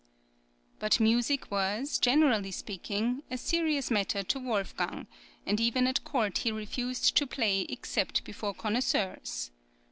But music was, generally speaking, a serious matter to Wolfgang, and even at court he refused to play except before connoisseurs.